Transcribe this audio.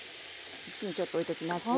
こっちにちょっと置いておきますよ。